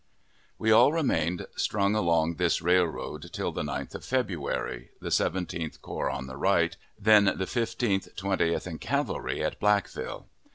We all remained strung along this railroad till the 9th of February the Seventeenth Corps on the right, then the Fifteenth, Twentieth, and cavalry, at Blackville.